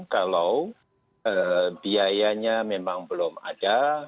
kalau biayanya memang belum ada